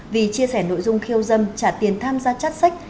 vì chia sẻ nội dung khiêu dâm trả tiền tham gia chát sách